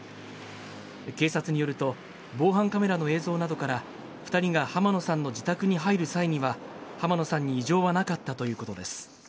警察によると、防犯カメラの映像などから２人が濱野さんの自宅に入る際には濱野さんに異常はなかったということです。